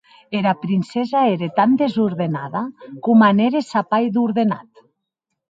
Era princessa ère tan desordenada, coma n’ère sa pair d’ordenat.